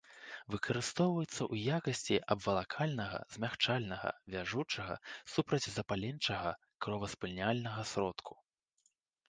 Выкарыстоўваецца ў якасці абвалакальнага, змякчальнага, вяжучага, супрацьзапаленчага, кроваспыняльнага сродку.